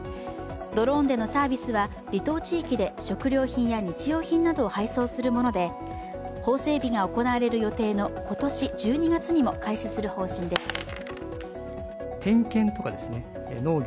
ドローンでのサービスは離島地域で食料品や日用品などを配送するもので、法整備が行われる予定の今年１２月にも開始する方針です。